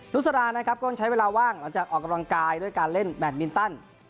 นุษรานะครับก็ใช้เวลาว่างหลังจากออกกำลังกายด้วยการเล่นแบตมินตัน